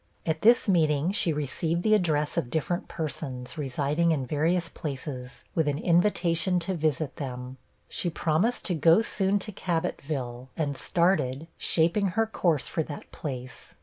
At this meeting, she received the address of different persons, residing in various places, with an invitation to visit them. She promised to go soon to Cabotville, and started, shaping her course for that place.